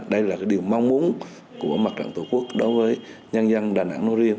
đây là điều mong muốn của mặt trạng tổ quốc đối với nhân dân đà nẵng nó riêng